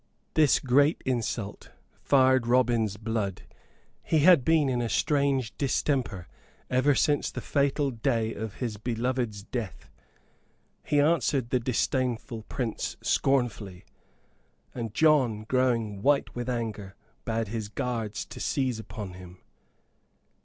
This great insult fired Robin's blood; he had been in a strange distemper ever since the fatal day of his beloved's death. He answered the disdainful Prince scornfully; and John, growing white with anger, bade his guards to seize upon him.